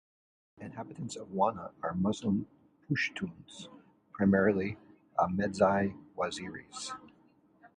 Inhabitants of Wanna are Muslim Pushtuns, primarily Ahmedzai Waziris.